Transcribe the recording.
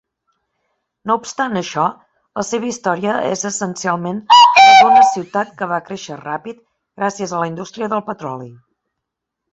No obstant això, la seva història és essencialment la d'una ciutat que va créixer ràpid gràcies a la indústria del petroli.